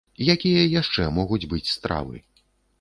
Якія яшчэ могуць быць стравы?